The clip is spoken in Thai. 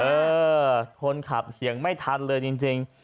เออคนขับเถียงไม่ทันเลยจริง